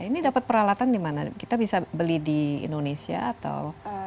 ini dapat peralatan dimana kita bisa beli di indonesia atau